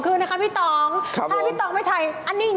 เมื่อกี้โต๊ะเมื่อกี้